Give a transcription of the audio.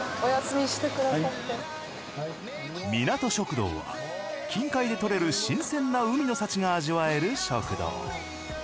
みなと食堂は近海で獲れる新鮮な海の幸が味わえる食堂。